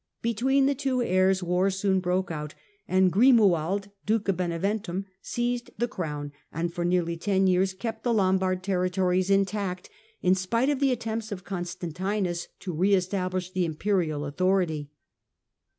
Between the wo heirs war soon broke out, and Grimoald, Duke of 3eneventum, seized the crown and for nearly ten years :ept the Lombard territories intact, in spite of the attempts of Constantinus to re establish the Imperial kuthority.